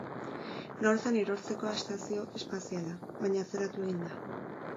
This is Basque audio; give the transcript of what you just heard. Gaur zen erortzekoa estazio espaziala, baina atzeratu egin da.